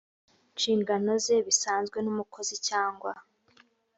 nshingano ze bisabwe n umukozi cyangwa